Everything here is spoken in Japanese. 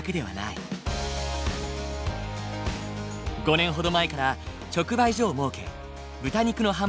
５年ほど前から直売所を設け豚肉の販売を開始したんだ。